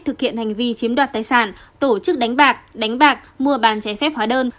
thực hiện hành vi chiếm đoạt tài sản tổ chức đánh bạc đánh bạc mua bàn trái phép hóa đơn